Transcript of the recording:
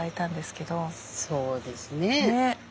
そうですね。